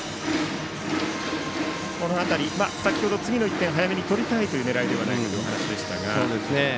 先ほど次の１点を早めに取りたいと狙いではないかというお話でしたが。